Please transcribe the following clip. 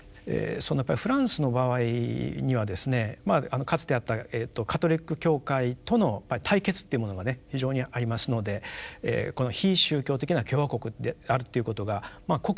やっぱフランスの場合にはですねかつてあったカトリック教会との対決というものがね非常にありますのでこの非宗教的な共和国であるということが国是にもなっているわけです。